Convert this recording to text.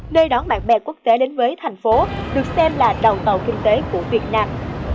nơi đón bạn bè quốc tế đến với thành phố được xem là đầu tàu kinh tế của việt nam